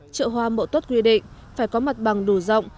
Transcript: trợ hoa mẫu tuất quy định phải có mặt bằng đủ rộng